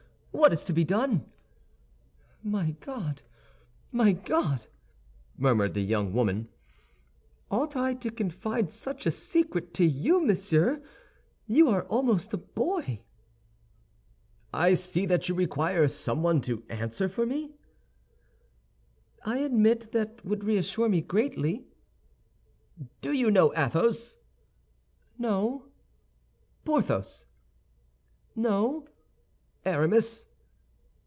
What is to be done?" "My God, my God!" murmured the young woman, "ought I to confide such a secret to you, monsieur? You are almost a boy." "I see that you require someone to answer for me?" "I admit that would reassure me greatly." "Do you know Athos?" "No." "Porthos?" "No." "Aramis?"